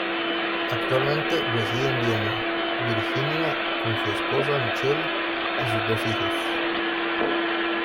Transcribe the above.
Actualmente reside en Vienna, Virginia, con su esposa Michelle y sus dos hijos.